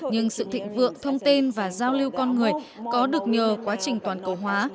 nhưng sự thịnh vượng thông tin và giao lưu con người có được nhờ quá trình toàn cầu hóa